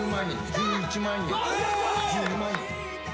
１４万円。